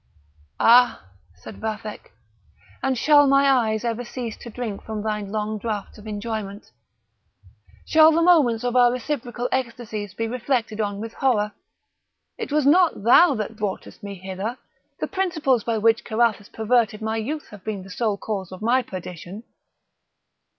"Ah!" said Vathek; "and shall my eyes ever cease to drink from thine long draughts of enjoyment! Shall the moments of our reciprocal ecstasies be reflected on with horror? It was not thou that broughtest me hither; the principles by which Carathis perverted my youth have been the sole cause of my perdition!"